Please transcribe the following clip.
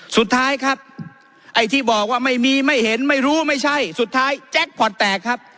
สุดท้ายครับไอ้ที่บอกว่าไม่มีไม่เห็นไม่รู้ไม่ใช่สุดท้ายแจ็คพอร์ตแตกครับ